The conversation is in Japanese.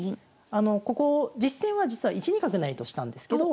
あのここ実戦は実は１二角成としたんですけど。